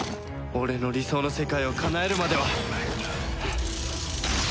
俺の理想の世界をかなえるまでは終われない！